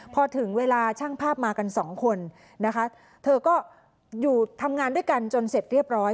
พอถึงเวลาช่างภาพมากันสองคนนะคะเธอก็อยู่ทำงานด้วยกันจนเสร็จเรียบร้อย